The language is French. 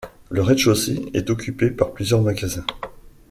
Le rez-de-chaussée est occupé par plusieurs magasins.